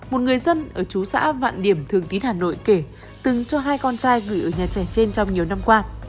một người dân ở chú xã vạn điểm thường tín hà nội kể từng cho hai con trai gửi ở nhà trẻ trên trong nhiều năm qua